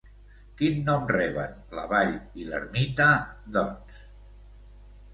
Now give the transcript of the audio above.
Quin nom reben la vall i l'ermita, doncs?